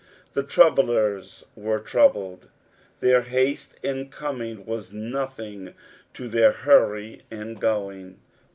The troublers were troubled. Their haste ia coining was nothing to their hurry in going.